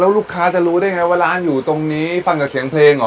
ลูกค้าจะรู้ได้ไงว่าร้านอยู่ตรงนี้ฟังจากเสียงเพลงเหรอ